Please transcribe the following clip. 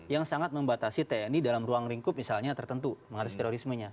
yang sangat membatasi tni dalam ruang lingkup misalnya tertentu mengatasi terorismenya